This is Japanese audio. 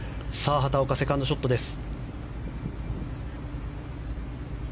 畑岡、セカンドショットです。